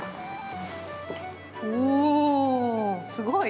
おぉ、すごい！